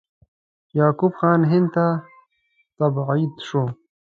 یعقوب خان هند ته تبعید شو.